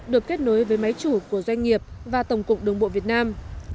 được kết nối với máy chủ của doanh nghiệp và tổng cục đường bộ việt nam